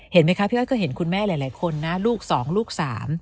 เห็นไหมคะพี่อ้อยก็เห็นคุณแม่หลายคนนะลูกสองลูกสาม